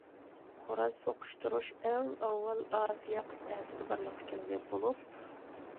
خوراز سوقۇشتۇرۇش ئەڭ ئاۋۋال ئاسىيا قىتئەسىدە بارلىققا كەلگەن بولۇپ.